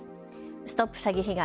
ＳＴＯＰ詐欺被害！